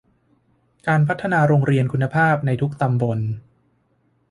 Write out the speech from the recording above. การพัฒนาโรงเรียนคุณภาพในทุกตำบล